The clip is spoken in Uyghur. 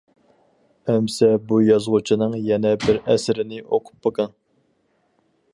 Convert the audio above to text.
ئەمىسە بۇ يازغۇچىنىڭ يەنە بىر ئەسىرىنى ئوقۇپ بېقىڭ.